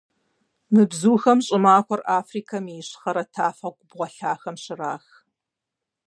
Мы бзухэм щӀымахуэр Африкэм и ищхъэрэ тафэ-губгъуалъэхэм щрах.